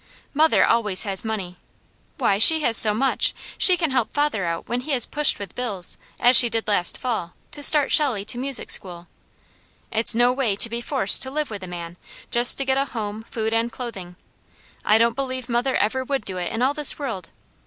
Mother always has money. Why, she has so much, she can help father out when he is pushed with bills, as she did last fall, to start Shelley to music school. It's no way to be forced to live with a man, just to get a home, food, and clothing. I don't believe mother ever would do it in all this world.